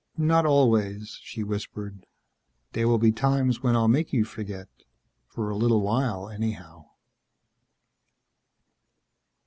"Not always," she whispered. "There will be times when I'll make you forget. For a little while, anyhow."